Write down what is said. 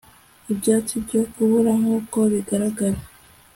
ibyatsi byo hakurya nkuko bigaragara